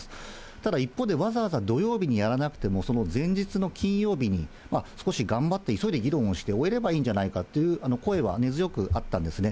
ただ一方で、わざわざ土曜日にやらなくても、その前日の金曜日に、少し頑張って、急いで議論をして終えればいいんじゃないかという声は根強くあったんですね。